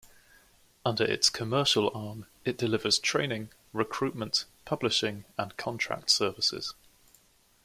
Under its commercial arm, it delivers training, recruitment, publishing and contract services.